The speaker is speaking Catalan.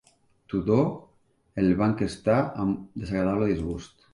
Tudor el va enquestar amb desagradable disgust.